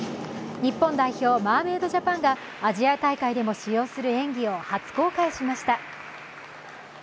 日本代表マーメイドジャパンがアジア大会でも使用する演技を初公開しました。